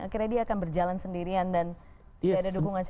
akhirnya dia akan berjalan sendirian dan tidak ada dukungan siapa